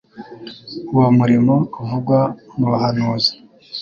Uwo murimo uvugwa mu buhanuzi.